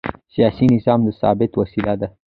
سیاسي نظام د ثبات وسیله ده